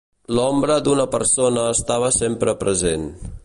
L'ombra d'una persona estava sempre present.